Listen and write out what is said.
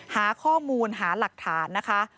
หาข้อมูลหาหลักฐานนะคะ